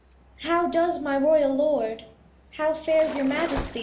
How do's my royal Lord? How fairs your Majesty?